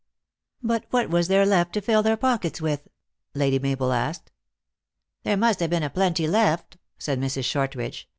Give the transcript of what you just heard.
" But what was there left to fill their pockets with ?" Lady Mabel asked. " There must have been a plenty left," said Mrs. Shortridge.